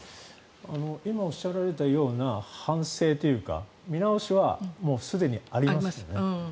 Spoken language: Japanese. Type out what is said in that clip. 今おっしゃられたような反省というか見直しはすでにありますよね。